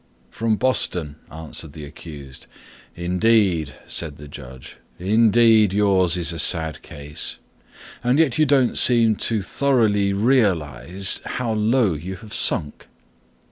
"From Boston," answered the accused. "Indeed," said the judge, "indeed, yours is a sad case, and yet you don't seem to thoroughly realise how low you have sunk."